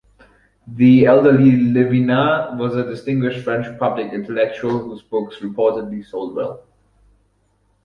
The elderly Levinas was a distinguished French public intellectual, whose books reportedly sold well.